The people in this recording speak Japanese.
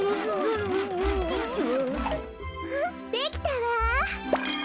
フフできたわ！